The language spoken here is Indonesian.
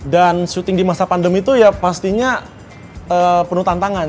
dan shooting di masa pandemi itu ya pastinya penuh tantangan